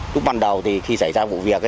lúc ban đầu khi xảy ra vụ việc